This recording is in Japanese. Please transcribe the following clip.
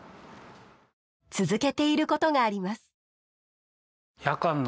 続けていることがあります。